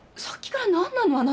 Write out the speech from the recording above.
さっきから何なの？